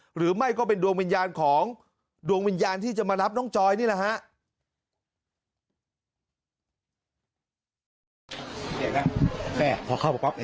หรือไม่ก็เป็นดวงวิญญาณของดวงวิญญาณที่จะมารับน้องจอยนี่แหละฮะ